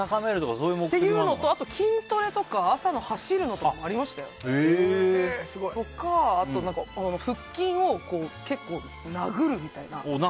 それとあと、筋トレとか朝の走るのとかもありましたよ。とか、腹筋を殴るみたいな。